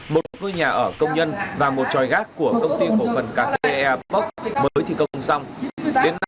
một ngôi nhà ở công nhân và một tròi gác của công ty cổ phần cà phê